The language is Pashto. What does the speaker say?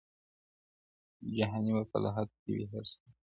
جهاني به په لحد کي وي هېر سوی-